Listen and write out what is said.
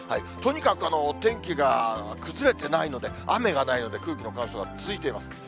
とにかく天気が崩れてないので、雨がないので、空気の乾燥が続いています。